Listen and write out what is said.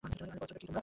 আরে করছোটা কী তোমরা?